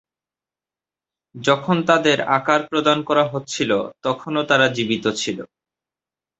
যখন তাদের আকার প্রদান করা হচ্ছিল, তখনো তারা জীবিত ছিল।